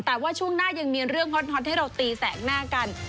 แต่ว่าช่วงหน้ายังมีเรื่องฮอตให้เราตีแสกหน้ากัน